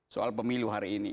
soal pemilu hari ini